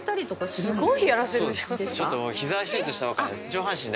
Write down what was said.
すごい！